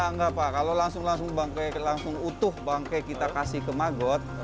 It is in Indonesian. enggak pak kalau langsung langsung bangkai langsung utuh bangkai kita kasih ke maggot